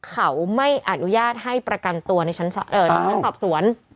เขาไม่อนุญาตให้ประกันตัวในชั้นสารเออในชั้นสอบสวน